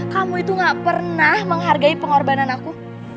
kamu itu gak pernah menghargai pengorbanan aku